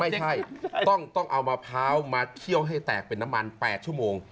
ไม่ใช่ต้องเอามะพร้าวมาเคี่ยวให้แตกเป็นน้ำมัน๘ชั่วโมง